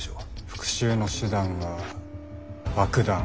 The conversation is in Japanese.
復讐の手段は爆弾。